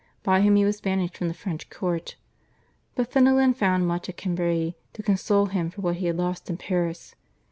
by whom he was banished from the French court. But Fenelon found much at Cambrai to console him for what he had lost in Paris.